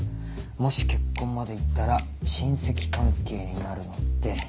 もし結婚まで行ったら親戚関係になるので。